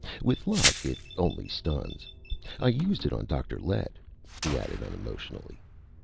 With luck, it only stuns. I used it on Dr. Lett," he added unemotionally.